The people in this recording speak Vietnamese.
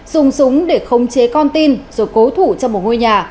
dùng súng để khống chế con tin rồi cố thủ trong một ngôi nhà